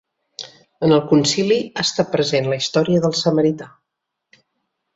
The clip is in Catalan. En el Concili ha estat present la història del samarità.